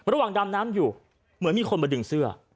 ดำน้ำอยู่เหมือนมีคนมาดึงเสื้อ